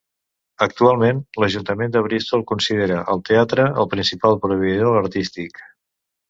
Actualment l'Ajuntament de Bristol considera el teatre el principal proveïdor artístic.